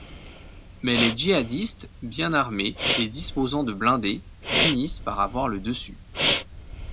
Mais les djihadistes, bien armés et disposant de blindés, finissent par avoir le dessus.